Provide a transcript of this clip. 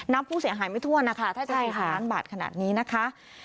ผู้เสียหายไม่ทั่วนะคะถ้าจะ๔ล้านบาทขนาดนี้นะคะ